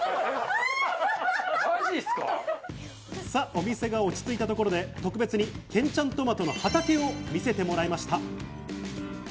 お店が落ち着いたところで特別に健ちゃんとまとの畑を見せてもらいました。